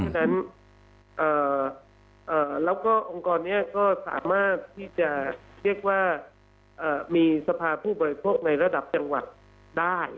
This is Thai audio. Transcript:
ฉะนั้นแล้วก็องค์กรนี้ก็สามารถที่จะเรียกว่ามีสภาผู้บริโภคในระดับจังหวัดได้